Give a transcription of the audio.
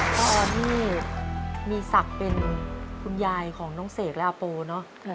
ตอนที่มีศักดิ์เป็นคุณยายของน้องเสกและอาโปเนอะ